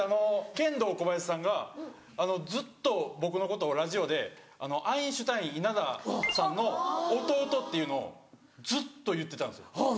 ケンドーコバヤシさんがずっと僕のことをラジオでアインシュタイン・稲田さんの弟っていうのをずっと言ってたんですよ。